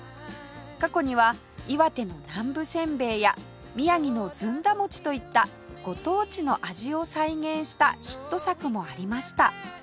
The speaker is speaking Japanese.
過去には岩手の南部せんべいや宮城のずんだもちといったご当地の味を再現したヒット作もありました